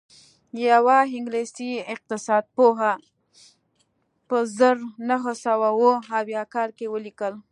یوه انګلیسي اقتصاد پوه په زر نه سوه اووه اویا کال کې ولیکل